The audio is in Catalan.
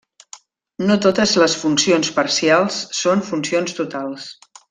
No totes les funcions parcials són funcions totals.